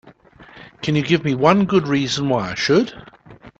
Can you give me one good reason why I should?